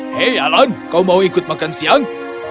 hei alan kau mau ikut makan siang